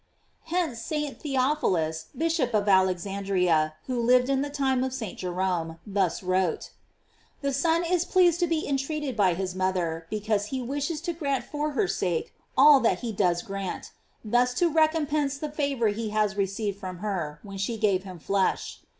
f Hence St. Theophilus, Bishop of Alexandria, who lived in the time of St. Jerome, thus wrote: The Son is pleased to be entreated by his moth er, because he wishes to grant for her sake all that he does grant; aud thus to recompense the favor he has received from her when she gave him flesh.